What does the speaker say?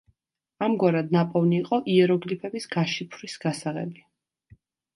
ამგვარად ნაპოვნი იყო იეროგლიფების გაშიფვრის გასაღები.